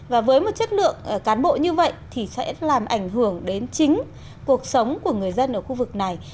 và với một chất lượng cán bộ như vậy thì sẽ làm ảnh hưởng đến chính cuộc sống của người dân ở khu vực này